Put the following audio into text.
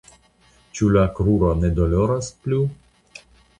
Ĉu la kruro ne doloras plu?